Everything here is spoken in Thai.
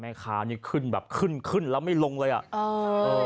นี่ขึ้นแบบขึ้นขึ้นแล้วไม่ลงเลยอ่ะเออเออ